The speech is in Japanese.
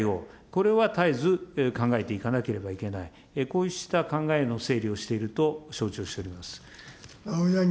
これはたえず考えていかなければいけない、こうした考えの整理をしているとしょうちをしております